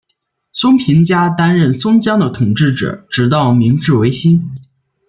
松平家担任松江的统治者直到明治维新。